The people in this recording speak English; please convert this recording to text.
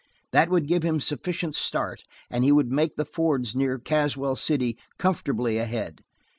That would give him a sufficient start, and he would make the fords near Caswell City comfortably ahead.